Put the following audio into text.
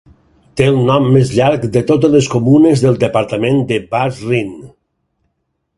Té el nom més llarg de totes les comunes del departament de Bas-Rhin.